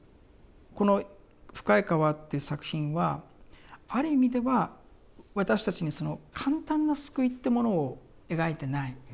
この「深い河」っていう作品はある意味では私たちに簡単な救いっていうものを描いてない。